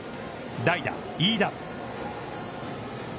代打飯田。